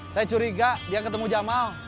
saya curiga dia ketemu jamal